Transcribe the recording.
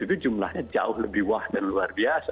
itu jumlahnya jauh lebih wah dan luar biasa